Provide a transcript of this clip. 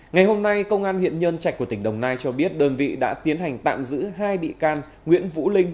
ngày hôm nay công an huyện nhân trạch của tỉnh đồng nai cho biết đơn vị đã tiến hành tạm giữ hai bị can nguyễn vũ linh